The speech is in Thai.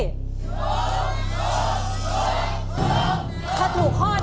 ถูกถูกถูกถูก